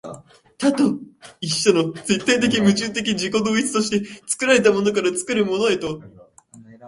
多と一との絶対矛盾的自己同一として、作られたものから作るものへと、